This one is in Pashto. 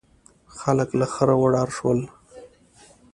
خلک له خره وډار شول.